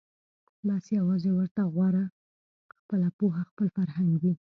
بس یوازي ورته غوره خپله پوهه خپل فرهنګ وي